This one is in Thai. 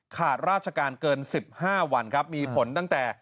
ขาดราชการเกิน๑๕วันครับมีผลตั้งแต่